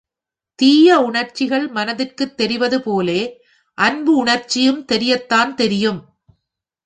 தீய உணர்ச்சிகள் மனத்திற்குத் தெரிவது போலவே அன்பு உணர்ச்சியும் தெரியத்தான் தெரியும்.